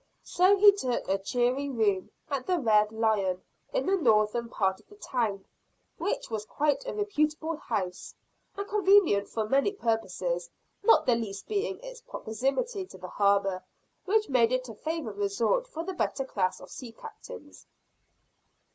So he took a cheery room at the Red Lion, in the northern part of the town, which was quite a reputable house, and convenient for many purposes not the least being its proximity to the harbor, which made it a favorite resort for the better class of sea captains.